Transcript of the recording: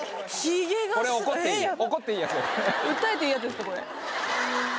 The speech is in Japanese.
訴えていいやつですか？